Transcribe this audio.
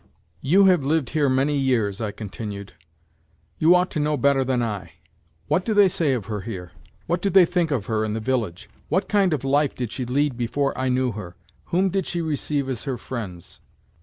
"You have lived here many years," I continued; "you ought to know better than I. What do they say of her here? What do they think of her in the village? What kind of a life did she lead before I knew her? Whom did she receive as her friends?"